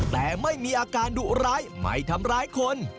แต่ไม่มีอาการดุร้ายไม่ทำร้ายคน